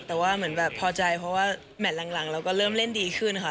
แต่ว่าเหมือนแบบพอใจเพราะว่าแมทหลังเราก็เริ่มเล่นดีขึ้นค่ะ